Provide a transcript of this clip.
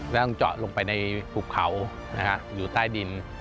แล้วต้องเจาะลงไปในภูเขาอยู่ใต้ดิน